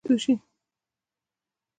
ې ویښته مو کوم عمر کې په سپینیدو شي